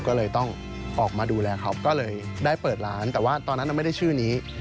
ก็เลยต้องออกมาดูแลเขาก็เลยได้เปิดร้านแต่ว่าตอนนั้นไม่ได้ชื่อนี้